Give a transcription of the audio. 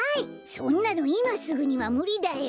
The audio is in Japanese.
そんなのいますぐにはむりだよ。